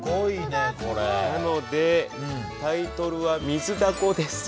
なのでタイトルは「水ダコ」です。